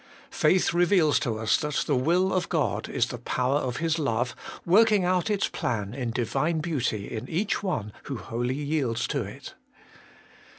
Faith reveals to us that the will of God is the power of His love, working out its plan in Divine beauty in each one who wholly yields to it.